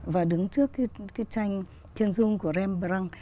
và đứng trước cái tranh thiên dung của rembrandt